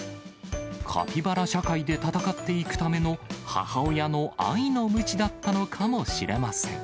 カピバラ社会で戦っていくための母親の愛のむちだったのかもしれません。